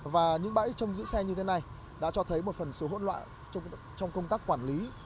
và những bãi trong giữ xe như thế này đã cho thấy một phần số hỗn loạn trong công tác quản lý